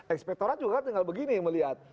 ekspektorat juga tinggal begini melihat